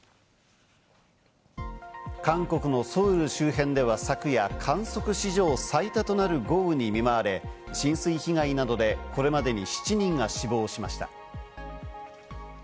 韓国のソウル周辺では昨夜、観測史上最多となる豪雨に見舞われ、浸水被害などでこれまでに７人が死亡しました。